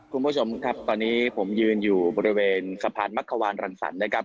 คุณผู้ชมครับตอนนี้ผมยืนอยู่บริเวณสะพานมักขวานรังสรรค์นะครับ